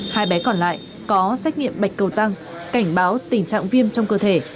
hai bé còn lại có xét nghiệm bạch cầu tăng cảnh báo tình trạng viêm trong cơ thể